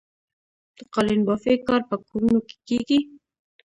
د قالینبافۍ کار په کورونو کې کیږي؟